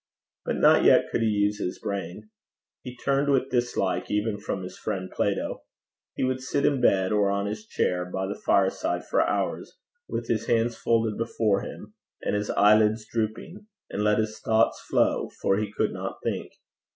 But not yet could he use his brain. He turned with dislike even from his friend Plato. He would sit in bed or on his chair by the fireside for hours, with his hands folded before him, and his eyelids drooping, and let his thoughts flow, for he could not think.